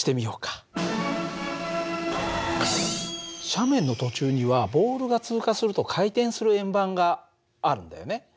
斜面の途中にはボールが通過すると回転する円盤があるんだよね。